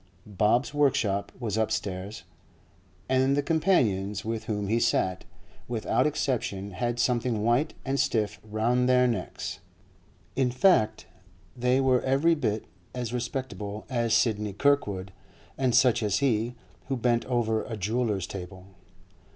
Bob's workshop was upstairs, and the companions with whom he sat, without exception, had something white and stiff round their necks; in fact, they were every bit as respectable as Sidney Kirkwood, and such as he, who bent over a jeweller's table.